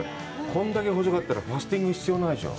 これだけ細かったら、ファスティング、必要ないでしょ？